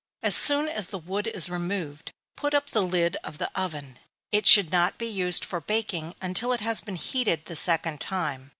As soon as the wood is removed, put up the lid of the oven. It should not be used for baking until it has been heated the second time.